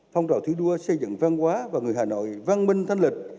phong trào thi đua xây dựng văn hóa và người hà nội văn minh thanh lịch